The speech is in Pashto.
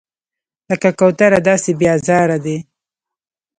لکه کوتره داسې بې آزاره دی.